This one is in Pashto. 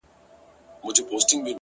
فريادي داده محبت کار په سلگيو نه سي”